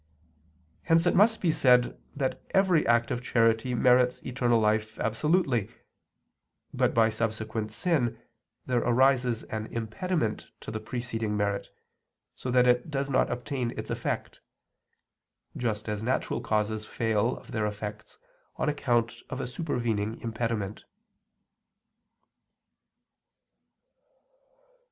Hence it must be said that every act of charity merits eternal life absolutely; but by subsequent sin, there arises an impediment to the preceding merit, so that it does not obtain its effect; just as natural causes fail of their effects on account of a supervening impediment.